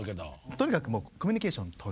とにかくもうコミュニケーションをとる。